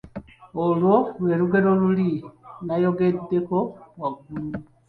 Olwo lwe lugero luli lwe nayogeddeko waggulu.